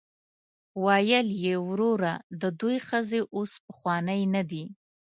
ویل یې وروره د دوی ښځې اوس پخوانۍ نه دي.